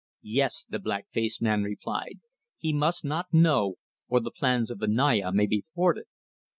"Yes," the black faced man replied. "He must not know, or the plans of the Naya may be thwarted.